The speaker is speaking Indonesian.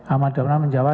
ahmad dharmawan menjawab